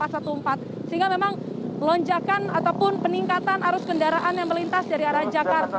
sehingga memang lonjakan ataupun peningkatan arus kendaraan yang melintas dari arah jakarta